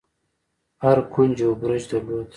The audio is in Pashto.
هر کونج يو برج درلود.